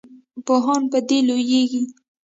پوهان په دې لویږي.